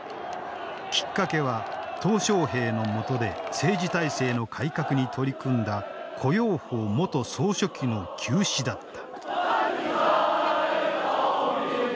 きっかけは小平の下で政治体制の改革に取り組んだ胡耀邦元総書記の急死だった。